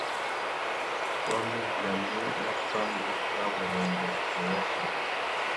Wa mù biamú nà pandúrâwurrôndô nà yafiya.